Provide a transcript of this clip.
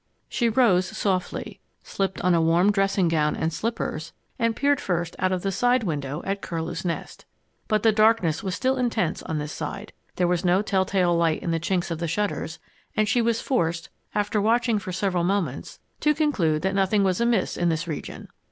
She rose softly, slipped on a warm dressing gown and slippers, and peered first out of the side window at Curlew's Nest. But the darkness was still intense on this side, there was no tell tale light in the chinks of the shutters, and she was forced, after watching for several moments, to conclude that nothing was amiss in this region.